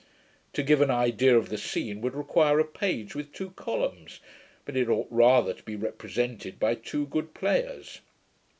To give an idea of the scene, would require a page with two columns; but it ought rather to be represented by two good players.